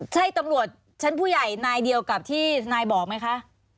ใช่ตำรวจชั้นผู้ใหญ่นายเดียวกับที่นายบอกไหมคะ